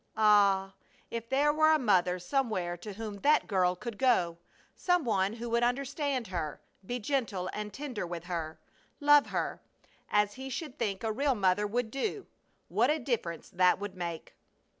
Ah! if there were a mother somewhere to whom that girl could go! Some one who would understand her; be gentle and tender with her; love her, as he should think a real mother would do what a difference that would make!